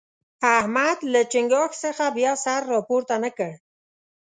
احمد له چينګاښ څخه بیا سر راپورته نه کړ.